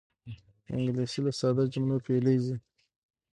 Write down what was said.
انګلیسي له ساده جملو پیلېږي